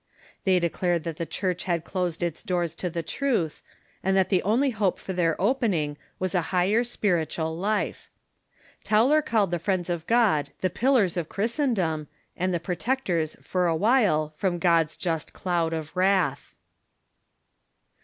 They declared that the Church had closed its doors to the truth, and that the only hope for their opening was a higher spiritual life. Tauler called the Friends of God the pillars of Christendom, and the protectors for a while from God's just cloud of wrath.